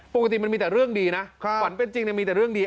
ปกติมันมีแต่เรื่องดีนะขวัญเป็นจริงมีแต่เรื่องดี